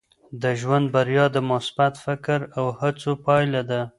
د ژوند بریا د مثبت فکر او هڅو پایله ده.